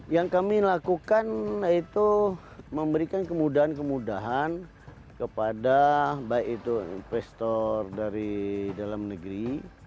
yang kami lakukan itu memberikan kemudahan kemudahan kepada baik itu investor dari dalam negeri